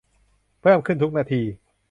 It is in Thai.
เพิ่มขึ้นทุกนาที